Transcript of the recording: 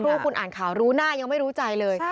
เมื่อสักครู่คุณอ่านข่าวรู้หน้ายังไม่รู้ใจเลย